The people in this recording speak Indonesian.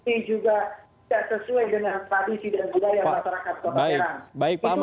ini juga tidak sesuai dengan tradisi dan budaya masyarakat kota serang